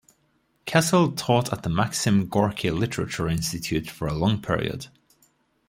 Kassil taught at the Maxim Gorky Literature Institute for a long period.